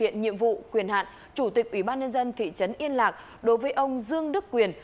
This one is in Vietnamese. hiện nhiệm vụ quyền hạn chủ tịch ủy ban nhân dân thị trấn yên lạc đối với ông dương đức quyền